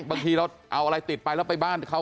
บางทีเราเอาอะไรติดไปแล้วไปบ้านเขา